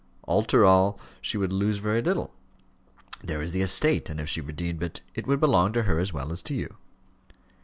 After all, she would lose very little: there is the estate, and if she redeemed it, it would belong to her as well as to you."